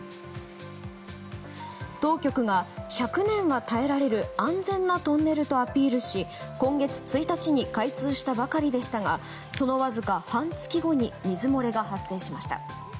当局が１００年は耐えられる安全なトンネルとアピールし今月１日に開通したばかりでしたがそのわずか半月後に水漏れが発生しました。